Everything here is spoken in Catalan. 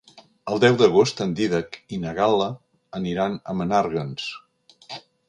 El deu d'agost en Dídac i na Gal·la aniran a Menàrguens.